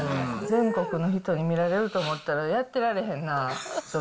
全国の人に見られると思ったらやってられへんな。